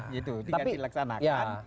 gitu tinggal dilaksanakan